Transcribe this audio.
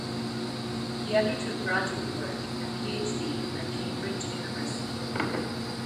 He undertook graduate work and Ph.D. at Cambridge University.